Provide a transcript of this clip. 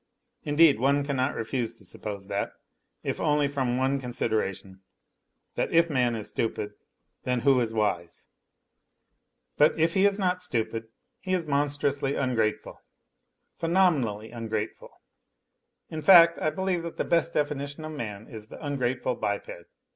(Indeed one cannot refuse to suppose that, if only from the one consideration, that, if man is stupid, then who is wise ?) But if he is not stupid, he is monstrously ungrateful ! Phenomenally ungrateful. In fact, I believe that the best definition of man is the ungrateful biped.